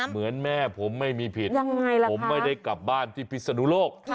เหมือนแม่ผมไม่มีผิดผมไม่ได้กลับบ้านที่พิษฎุโลกยังไงล่ะคะ